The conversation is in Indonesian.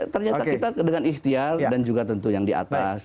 ternyata kita dengan ikhtiar dan juga tentu yang di atas